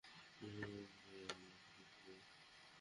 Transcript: গিয়েই হামলা শুরু করব।